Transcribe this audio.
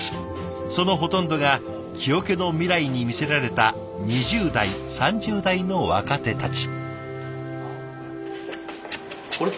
そのほとんどが木桶の未来に魅せられた２０代３０代の若手たち。